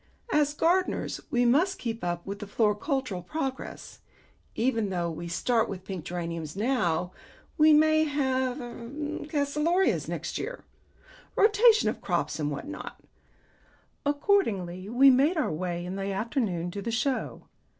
As gardeners we must keep up with floricultural progress. Even though we start with pink geraniums now, we may have er calceolarias next year. Rotation of crops and what not." Accordingly we made our way in the afternoon to the Show.